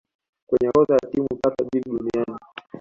kwenye orodha ya timu tatu tajiri duniani